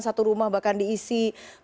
satu rumah bahkan diisi